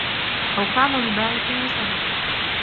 أَوْ كَانَ لِبَاعِثٍ وَسَبَبٍ